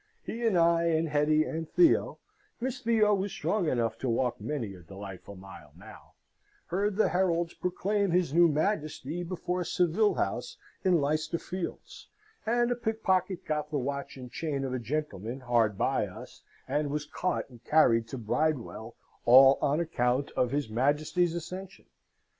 He and I, and Hetty, and Theo (Miss Theo was strong enough to walk many a delightful mile now), heard the Heralds proclaim his new Majesty before Savile House in Leicester Fields, and a pickpocket got the watch and chain of a gentleman hard by us, and was caught and carried to Bridewell, all on account of his Majesty's accession.